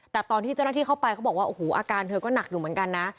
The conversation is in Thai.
แต่ตอนที่เจ้าหน้าที่เข้าไปเขาบอกว่าโอ้โหอาการเธอก็หนักอยู่เหมือนกันนะ